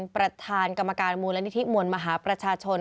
ประธานกรรมการมูลนิธิมวลมหาประชาชน